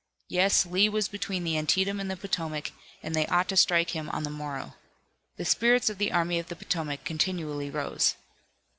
Yes, Lee was between the Antietam and the Potomac and they ought to strike him on the morrow. The spirits of the Army of the Potomac continually rose.